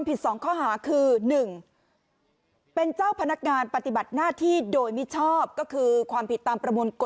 ไปทำไม